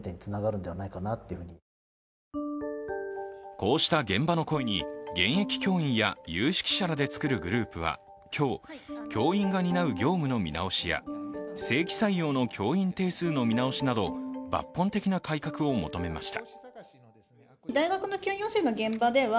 こうした現場の声に現役教員や有識者らで作るグループは今日、教員が担う業務の見直しや、正規採用の教員定数の見直しなど抜本的な改革を求めました。